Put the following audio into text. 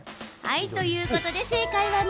ということで正解は、緑。